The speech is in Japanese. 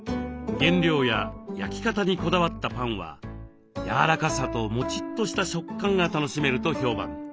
原料や焼き方にこだわったパンはやわらかさとモチッとした食感が楽しめると評判。